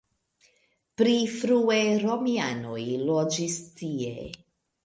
Pri frue romianoj loĝis tie.